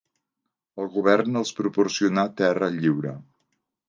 El govern els proporcionà terra lliure.